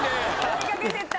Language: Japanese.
追いかけていった。